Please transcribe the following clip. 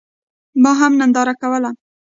ما هم ننداره کوله.